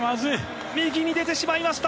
右に出てしまいました。